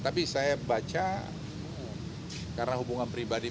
tapi saya baca karena hubungan pribadi